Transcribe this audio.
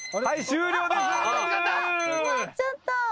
終わっちゃった。